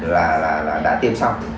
là đã tiêm xong